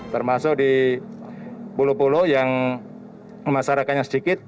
termasuk di pulau pulau yang masyarakatnya sedikit